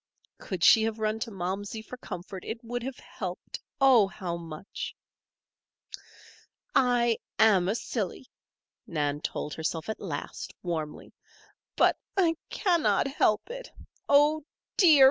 Could she have run to Momsey for comfort it would have helped, Oh, how much! "I am a silly," Nan told herself at last, warmly. "But I cannot help it. Oh, dear!